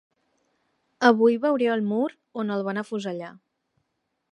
Avui veuré el mur on el van afusellar.